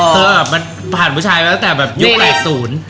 เธอผ่านผู้ชายมาตั้งแต่ยุค๘๐